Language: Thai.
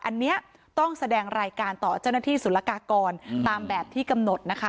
อันนี้ต้องแสดงรายการต่อเจ้าหน้าที่สุรกากรตามแบบที่กำหนดนะคะ